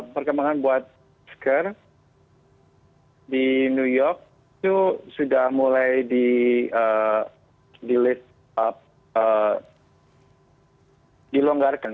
perkembangan buat masker di new york itu sudah mulai dilonggarkan